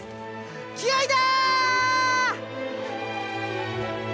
気合いだ！